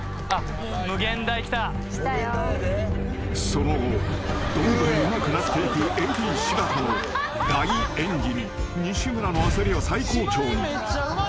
［その後どんどんうまくなっていくＡＤ柴田の大・演技に西村の焦りは最高潮に］